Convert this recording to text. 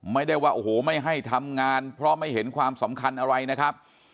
ไม่ได้ว่าโอ้โหไม่ให้ทำงานเพราะไม่เห็นความสำคัญอะไรนะครับ